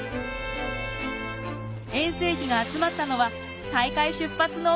遠征費が集まったのは大会出発の３日前。